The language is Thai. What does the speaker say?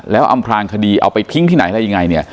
แล้วอำพลางคดีเอาไปพิ้งไหนและยังไง